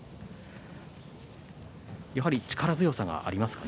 やはり力強さがありますか